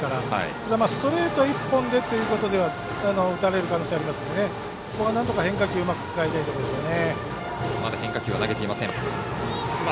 ただ、ストレート１本でということでは打たれる可能性ありますのでここは変化球をうまく使いたいところですよね。